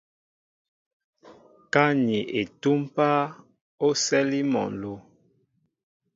Ka ni etúm páá, o sɛli mol nló.